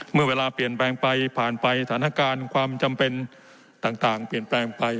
เมื่อเวลาเปลี่ยนแปลงไปผ่านไปสถานการณ์ความจำเป็นต่างเปลี่ยนแปลงไป